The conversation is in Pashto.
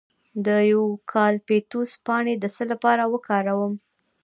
د یوکالیپټوس پاڼې د څه لپاره وکاروم؟